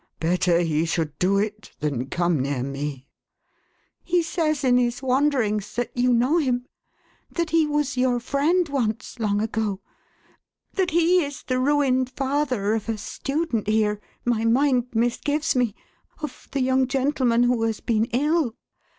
" Better he should do it, than come near me !" "He says, in his wanderings, that you know him; that he was your friend once, long ago; that he is the ruined father of a student here — my mind misgives me, of the young gentleman who has been ill.